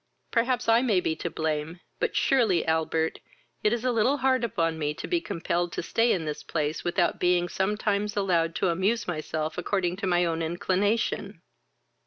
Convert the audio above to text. Perhaps I may be to blame, but surely, Albert, it is a little hard upon me to be compelled to stay in this place without being sometimes allowed to amuse myself according to my own inclination!"